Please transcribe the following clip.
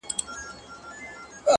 عاجزي ستر شخصیت نور هم ښکلی کوي